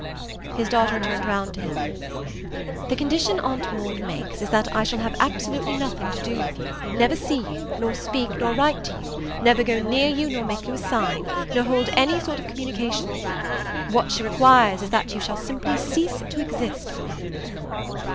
His daughter turned round to him. "The condition Aunt Maud makes is that I shall have absolutely nothing to do with you; never see you, nor speak nor write to you, never go near you nor make you a sign, nor hold any sort of communication with you. What she requires is that you shall simply cease to exist for me."